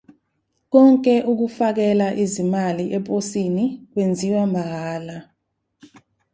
Konke ukufakela izimali ePosini kwenziwa mahhala.